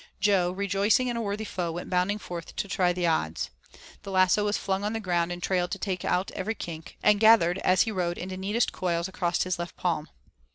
Jo, rejoicing in a worthy foe, went bounding forth to try the odds. The lasso was flung on the ground and trailed to take out every kink, and gathered as he rode into neatest coils across his left palm.